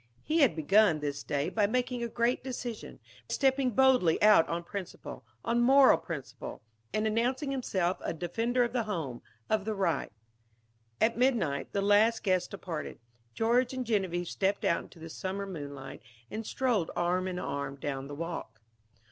He had begun, this day, by making a great decision, by stepping boldly out on principle, on moral principle, and announcing himself a defender of the home, of the right. At midnight, the last guest departed. George and Genevieve stepped out into the summer moonlight and strolled arm in arm down the walk.